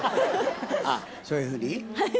あっそういうふうに？